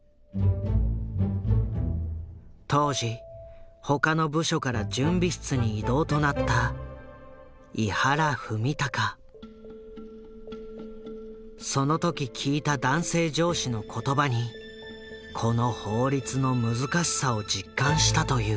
当時他の部署から準備室に異動となったそのとき聞いた男性上司の言葉にこの法律の難しさを実感したという。